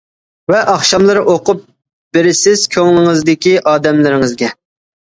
ۋە ئاخشاملىرى ئوقۇپ بېرىسىز كۆڭلىڭىزدىكى ئادەملىرىڭىزگە.